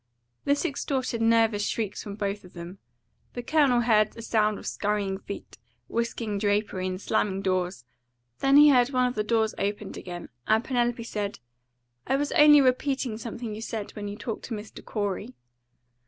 This extorted nervous shrieks from both of them. The Colonel heard a sound of scurrying feet, whisking drapery, and slamming doors. Then he heard one of the doors opened again, and Penelope said, "I was only repeating something you said when you talked to Mr. Corey."